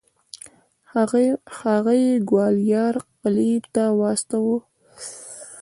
هغه یې ګوالیار قلعې ته واستوه.